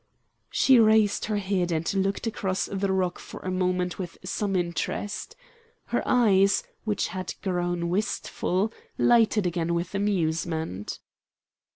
She raised her head and looked across the rock for a moment with some interest. Her eyes, which had grown wistful, lighted again with amusement.